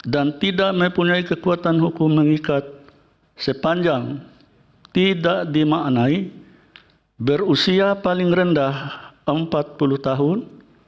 dan tidak mempunyai kekuatan hukum mengikat sepanjang tidak dimaknai berusia paling rendah empat puluh tahun